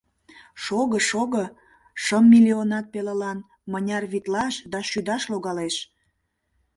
Шого-шого, шым миллионат пелылан мыняр витлаш да шӱдаш логалеш?